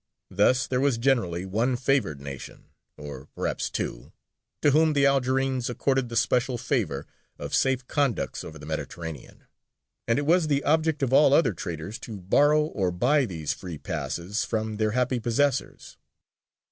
" Thus there was generally one favoured nation or perhaps two to whom the Algerines accorded the special favour of safe conducts over the Mediterranean, and it was the object of all other traders to borrow or buy these free passes from their happy possessors.